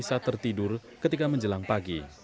saat tertidur ketika menjelang pagi